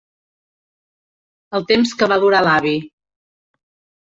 El temps que va durar l'avi.